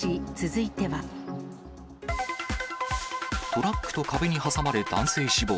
トラックと壁に挟まれ、男性死亡。